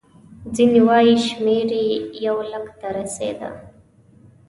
ځینې وایي شمېر یې یو لک ته رسېده.